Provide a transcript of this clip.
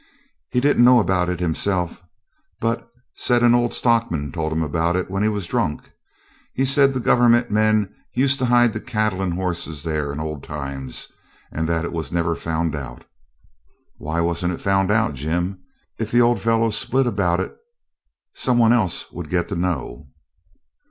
He didn't know about it himself, but said an old stockman told him about it when he was drunk. He said the Government men used to hide the cattle and horses there in old times, and that it was never found out.' 'Why wasn't it found out, Jim? If the old fellow "split" about it some one else would get to know.'